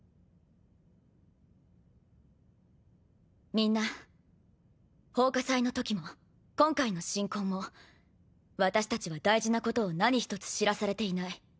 みんな奉火祭のときも今回の神婚も私たちは大事なことを何一つ知らされていない。